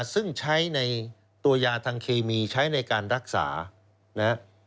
ซึ่งใช้ในตัวยาทางเคมีใช้ในการรักษานะฮะ